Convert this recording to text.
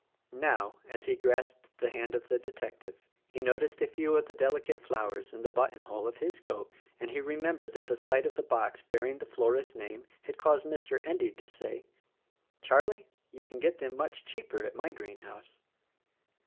Now, as he grasped the hand of the detective he noticed a few of the delicate flowers in the button hole of his coat and he remembered that the sight of the box bearing the florist's name had caused Mr. Endy to say: "Charlie, you can get them much cheaper at my greenhouse."